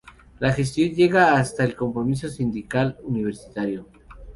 La gestión llega hasta el compromiso sindical universitario.